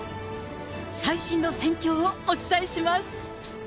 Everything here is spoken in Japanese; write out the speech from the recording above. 最新の戦況をお伝えします。